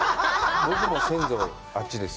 僕も先祖、あっちです。